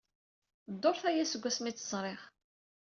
Dduṛt aya seg wasmi ay tt-ẓriɣ.